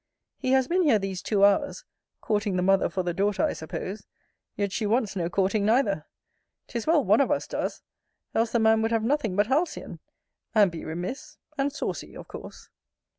He has been here these two hours courting the mother for the daughter, I suppose yet she wants no courting neither: 'Tis well one of us does; else the man would have nothing but halcyon; and be remiss, and saucy of course.